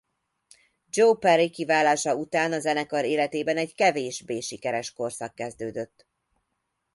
Joe Perry kiválása után a zenekar életében egy kevésbé sikeres korszak kezdődött.